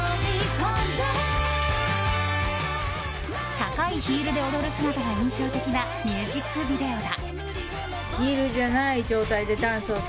高いヒールで踊る姿が印象的なミュージックビデオだ。